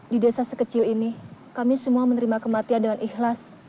di desa sekecil ini kami semua menerima kematian dengan ikhlas